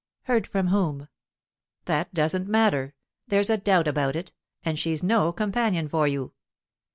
"Heard from whom?" "That doesn't matter. There's a doubt about it, and she's no companion for you."